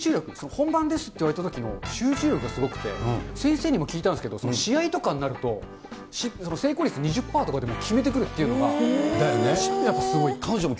本番ですって言われたときの集中力がすごくて、先生にも聞いたんですけれども、試合とかになると、成功率２０パーとかでも決めてくるっていうのが。だよね。